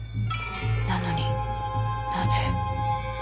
なのになぜ？